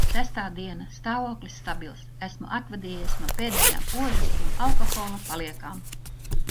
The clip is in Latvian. Sestā diena. stāvoklis stabils. esmu atvadījies no pēdējām ožas un alkohola paliekām.